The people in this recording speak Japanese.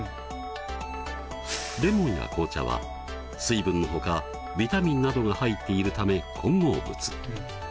レモンや紅茶は水分のほかビタミンなどが入っているため混合物。